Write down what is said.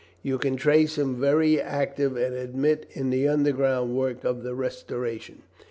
You can trace him very active and adroit in the underground work of the Restoration.